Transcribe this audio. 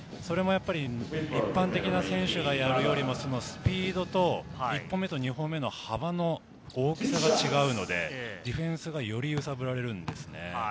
一般的な選手がやるよりもそのスピードと１歩目と２歩目の幅の大きさが違うので、ディフェンスがより揺さぶられるんですよね。